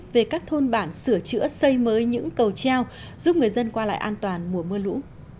về các thôn bản sửa chữa xây mới những cầu treo giúp người dân qua lại an toàn mùa mưa lũ